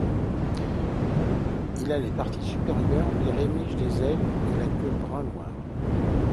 Il a les parties supérieures, les rémiges des ailes et la queue brun noir.